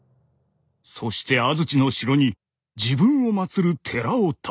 そして安土の城に自分をまつる寺を建てた」。